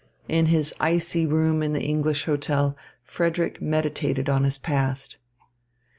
In his icy room in the English hotel, Frederick meditated on his past.